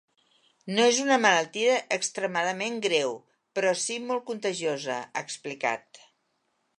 No és una malaltia extremadament greu, però sí molt contagiosa, ha explicat.